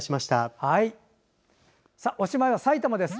おしまいは埼玉です。